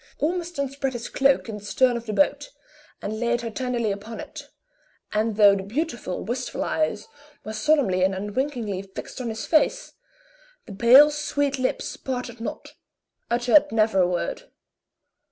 Ormiston spread his cloak in the stern of the boat, and laid her tenderly upon it, and though the beautiful, wistful eyes were solemnly and unwinkingly fixed on his face, the pale, sweet lips parted not uttered never a word.